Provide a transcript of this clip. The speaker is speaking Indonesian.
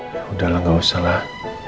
yaudahlah gak usahlah